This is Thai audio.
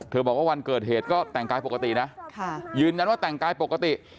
บอกว่าวันเกิดเหตุก็แต่งกายปกตินะยืนยันว่าแต่งกายปกติ